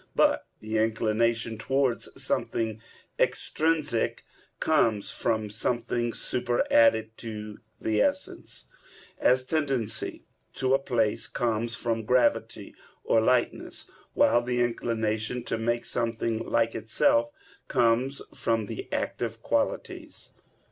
But the inclination towards something extrinsic comes from something superadded to the essence; as tendency to a place comes from gravity or lightness, while the inclination to make something like itself comes from the active qualities.